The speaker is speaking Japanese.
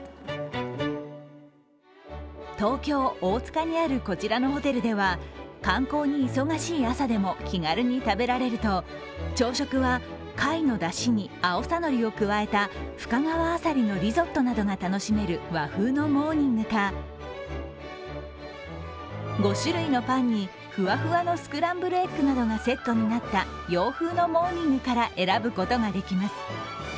東京・大塚にあるこちらのホテルでは観光に忙しい朝でも気軽に食べられると朝食は貝のだしに、あおさのりを加えた深川あさりのリゾットなどが楽しめる和風のモーニングか５種類のパンに、ふわふわのスクランブルエッグなどがセットになった洋風のモーニングから選ぶことができます。